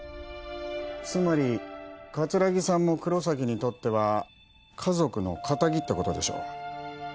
つまり桂木さんも黒崎にとっては家族の仇ってことでしょう